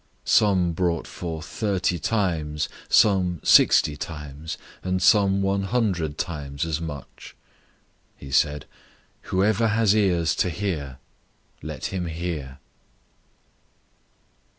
Some brought forth thirty times, some sixty times, and some one hundred times as much." 004:009 He said, "Whoever has ears to hear, let him hear."